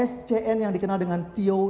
scn yang dikenal dengan po